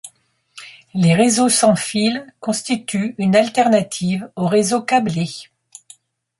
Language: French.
Les réseaux sans fil constituent une alternative aux réseaux câblés.